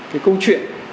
cái câu chuyện